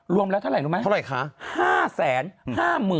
รวมแล้วเท่าไหร่รู้ไหม